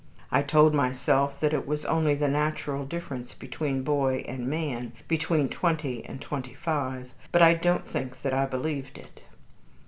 I told myself that it was only the natural difference between boy and man, between twenty and twenty five, but I don't think that I believed it.